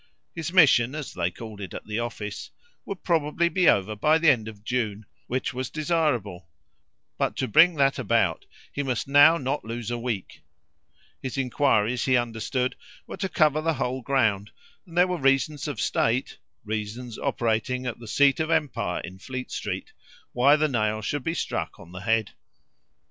His mission, as they called it at the office, would probably be over by the end of June, which was desirable; but to bring that about he must now not lose a week; his enquiries, he understood, were to cover the whole ground, and there were reasons of state reasons operating at the seat of empire in Fleet Street why the nail should be struck on the head.